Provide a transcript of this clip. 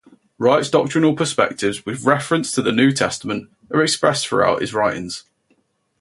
Wright's doctrinal perspectives, with reference to the New Testament, are expressed throughout his writings.